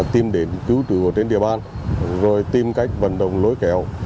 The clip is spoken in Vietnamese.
tìm đến cứu trụ ở trên địa bàn rồi tìm cách vận động lối kéo